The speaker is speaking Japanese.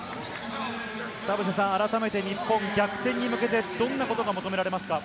改めて日本、逆転に向けて、どんなことが求められますか？